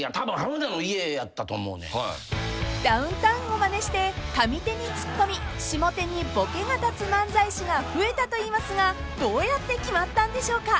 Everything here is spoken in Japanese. ［ダウンタウンをまねして上手にツッコミ下手にボケが立つ漫才師が増えたといいますがどうやって決まったんでしょうか？］